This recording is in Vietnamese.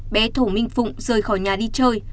bé thổ minh phụng rời khỏi nhà đi chơi